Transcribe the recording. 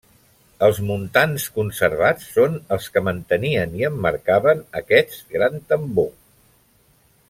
Els muntants conservats són els que mantenien i emmarcaven aquest gran tambor.